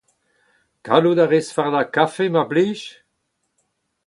Gallout a rez fardañ kafe mar plij ?